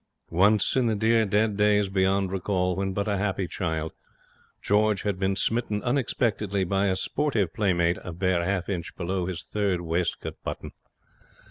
Once, in the dear, dead days beyond recall, when but a happy child, George had been smitten unexpectedly by a sportive playmate a bare half inch below his third waistcoat button.